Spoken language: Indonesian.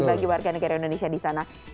bagi warga negara indonesia di sana